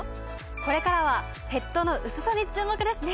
これからはヘッドの薄さに注目ですね！